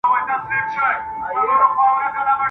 هم د ده هم یې د پلار د سر دښمن وي ..